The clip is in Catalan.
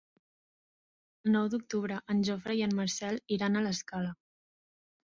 El nou d'octubre en Jofre i en Marcel iran a l'Escala.